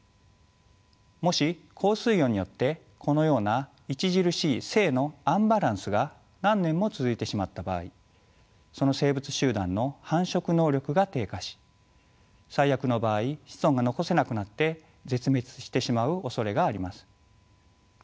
もし高水温によってこのような著しい性のアンバランスが何年も続いてしまった場合その生物集団の繁殖能力が低下し最悪の場合子孫が残せなくなって絶滅してしまうおそれがあります。